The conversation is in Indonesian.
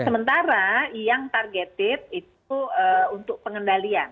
sementara yang targeted itu untuk pengendalian